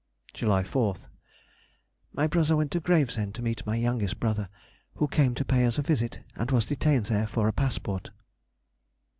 July 4th.—My brother went to Gravesend to meet my youngest brother (who came to pay us a visit), and was detained there for a passport.